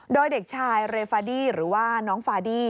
โดยเด็กชายเรฟาดี้หรือว่าน้องฟาดี้